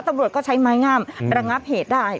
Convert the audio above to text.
ตำรวจก็ใช้ไม้งามระงับเหตุได้